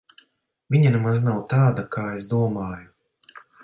Viņa nemaz nav tāda, kā es domāju.